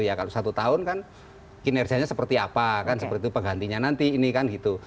ya kalau satu tahun kan kinerjanya seperti apa kan seperti penggantinya nanti ini kan gitu